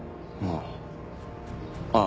ああ。